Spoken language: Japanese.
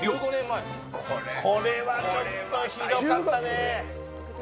「これはちょっとひどかったね」